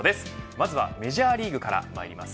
まずはメジャーリーグから参ります。